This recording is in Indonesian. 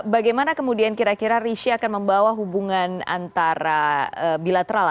bagaimana kemudian kira kira rishi akan membawa hubungan antara bilateral